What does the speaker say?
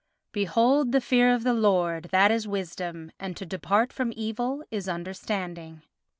"Behold the fear of the Lord, that is wisdom: and to depart from evil is understanding."